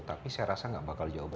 tapi saya rasa nggak bakal jauh